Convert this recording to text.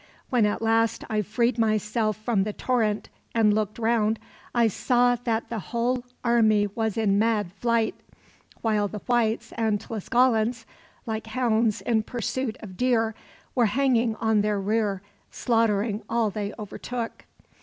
When at last I freed myself from the torrent, and looked round, I saw that the whole army was in mad flight; while the whites and Tlascalans, like hounds in pursuit of deer, were hanging on their rear, slaughtering all they overtook.